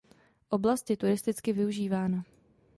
Oblast je turisticky využívána.